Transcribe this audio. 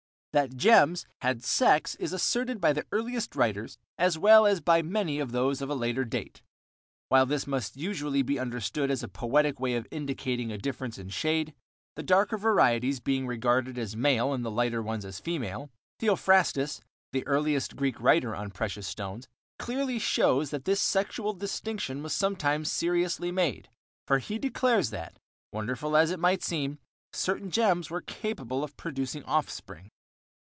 That gems had sex is asserted by the earliest writers as well as by many of those of a later date. While this must usually be understood as a poetic way of indicating a difference in shade, the darker varieties being regarded as male and the lighter ones as female, Theophrastus, the earliest Greek writer on precious stones, clearly shows that this sexual distinction was sometimes seriously made, for he declares that, wonderful as it might seem, certain gems were capable of producing offspring.